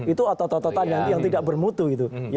itu otototan yang tidak bermutu gitu